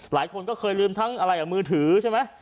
หลายคนก็เคยลืมทั้งอะไรมือถือใช่ไหม